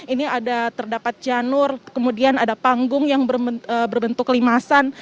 ini ada terdapat janur kemudian ada panggung yang berbentuk limasan